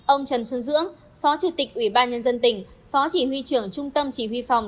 ông trần xuân dưỡng phó chủ tịch ủy ban nhân dân tỉnh phó chỉ huy trưởng trung tâm chỉ huy phòng